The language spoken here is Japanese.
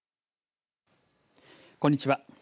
こんにちは。